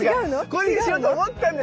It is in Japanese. これにしようと思ったんですが